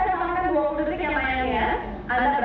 saya tawarkan dua puluh detik ya mayang ya